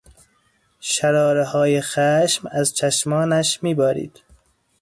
شرارههای خشم از چشمانش می بارید.